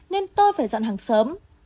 nên tôi phải dọn hàng sớm